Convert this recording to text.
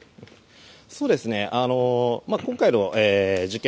今回の事件